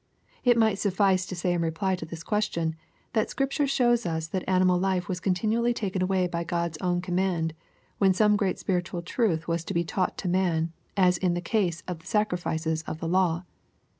It might suffice to say in reply to this question, that Scripture shows us that animal life was continually taken away by Q^d's own command, when some great spiritual truth was to be taught to man, as in the case of the sacrifices of the law.